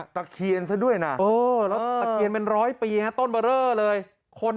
ตะเคียนซะด้วยน่ะเออแล้วตะเคียนเป็นร้อยปีเอง